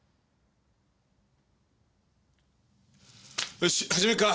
よし始めるか！